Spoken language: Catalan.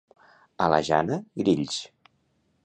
A la Jana, grills.